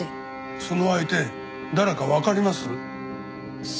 その相手誰かわかります？